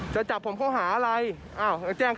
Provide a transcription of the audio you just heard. จะจับผมเขาหาอะไร